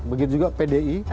begitu juga pdi